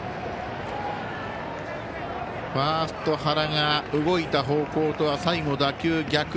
ファースト、原が動いた方向とは最後、打球が逆。